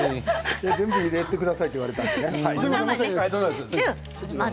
全部入れてくださいと言われたんでね。